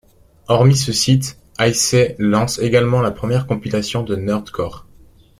Hormis ce site, High-C lance également la première compilation de nerdcore.